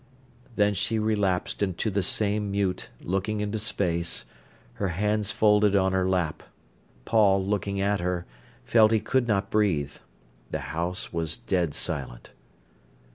Then she relapsed into the same mute looking into space, her hands folded on her lap. Paul, looking at her, felt he could not breathe. The house was dead silent.